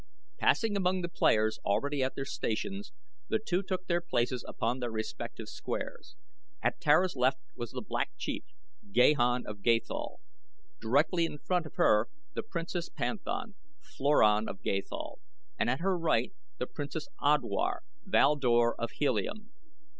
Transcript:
Passing among the players already at their stations the two took their places upon their respective squares. At Tara's left was the Black Chief, Gahan of Gathol; directly in front of her the Princess' Panthan, Floran of Gathol; and at her right the Princess' Odwar, Val Dor of Helium.